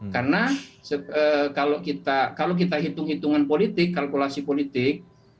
karena kalau kita hitung hitungan politik kalkulasi politik